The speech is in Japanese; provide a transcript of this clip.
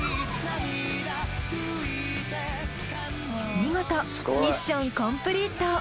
見事ミッションコンプリート。